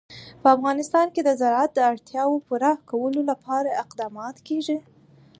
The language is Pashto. په افغانستان کې د زراعت د اړتیاوو پوره کولو لپاره اقدامات کېږي.